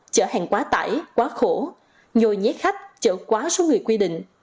chở hàng quá tải quá khổ nhồi nhét khách chở quá số người quy định